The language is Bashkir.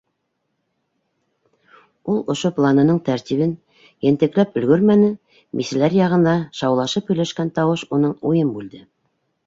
Ул ошо планының тәртибен ентекләп өлгөрмәне, бисәләр яғында шаулашып һөйләшкән тауыш уның уйын бүлде.